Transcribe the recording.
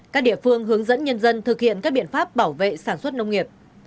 các địa phương hướng dẫn nhân dân thực hiện các biện pháp bảo vệ sản xuất nông nghiệp